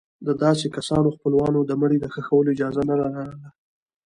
د داسې کسانو خپلوانو د مړي د ښخولو اجازه نه لرله.